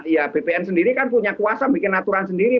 ya bpn sendiri kan punya kuasa bikin aturan sendiri